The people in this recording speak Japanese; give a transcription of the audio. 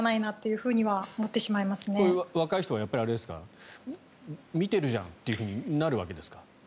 こういう若い人はやっぱり見てるじゃんというふうになるわけですか？